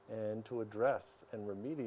dan untuk mengembangkan dan memperbaiki